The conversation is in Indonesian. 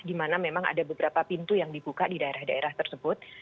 di mana memang ada beberapa pintu yang dibuka di daerah daerah tersebut